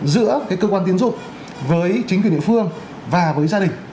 giữa cơ quan tiến dụng với chính quyền địa phương và với gia đình